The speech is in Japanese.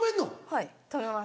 はい止めます。